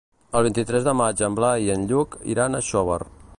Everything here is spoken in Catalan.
El vint-i-tres de maig en Blai i en Lluc iran a Xóvar.